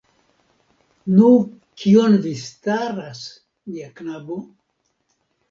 Nu, kion vi staras, mia knabo?